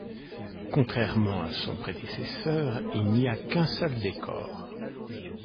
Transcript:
Contrairement à son prédécesseur, il n'y a qu'un seul décor.